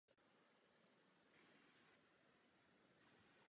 Muzeum nepřetržitě pořádá tematické výstavy věnované převážně jednotlivým umělcům.